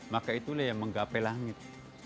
maka itulah yang menggapai langit